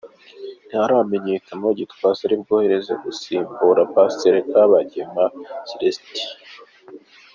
Ntiharamenyekana uwo Gitwaza ari bwohereze gusimbura Pasiteri Kabagema Celestin.